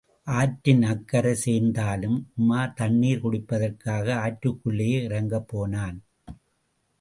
ஆற்றின் அக்கரை சேர்ந்ததும், உமார் தண்ணிர் குடிப்பதற்காக ஆற்றிற்குள்ளே இறங்கப் போனான்.